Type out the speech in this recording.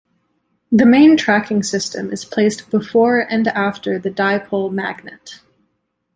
The main tracking system is placed before and after the dipole magnet.